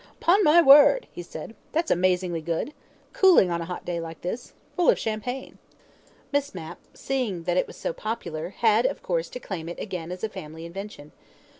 "'Pon my word," he said. "That's amazingly good. Cooling on a hot day like this. Full of champagne." Miss Mapp, seeing that it was so popular, had, of course, to claim it again as a family invention.